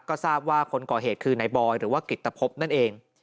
ก็ทราบว่าคนก่อเหตุคือนายบอยหรือว่ากิตภพนั่นเอง